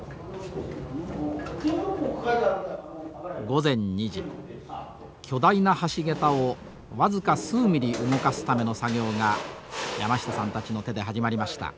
午前２時巨大な橋桁を僅か数ミリ動かすための作業が山下さんたちの手で始まりました。